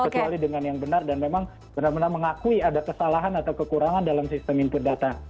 kecuali dengan yang benar dan memang benar benar mengakui ada kesalahan atau kekurangan dalam sistem input data